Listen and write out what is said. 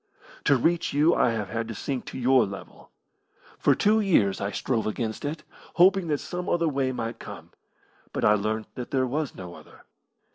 "To reach you I have had to sink to your level. For two years I strove against it, hoping that some other way might come, but I learnt that there was no other.